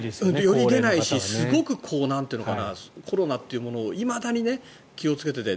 より出ないしすごくなんと言うのかなコロナというものをいまだに気をつけていて。